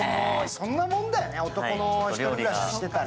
そんなもんだよね、男のひとり暮らししてたら。